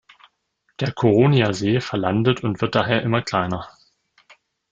Der Koronia-See verlandet und wird daher immer kleiner.